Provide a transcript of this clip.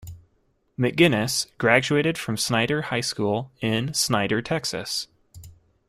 McGinnis graduated from Snyder High School in Snyder, Texas.